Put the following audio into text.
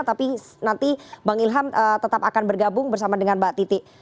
tapi nanti bang ilham tetap akan bergabung bersama dengan mbak titi